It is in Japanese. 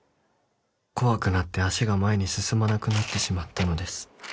「怖くなって足が前に進まなくなってしまったのです」